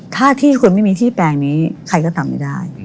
ถ้าที่คุณไม่มีที่แปลงนี้ใครก็ทำไม่ได้